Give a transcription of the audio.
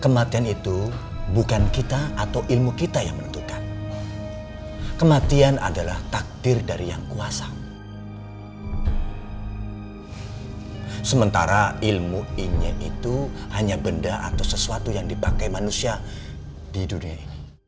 maka ilmu inye itu hanya benda atau sesuatu yang dipakai manusia di dunia ini